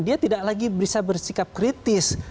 dia tidak lagi bisa bersikap kritis